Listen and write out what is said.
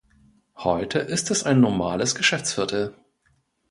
Heute ist es ein normales Geschäftsviertel.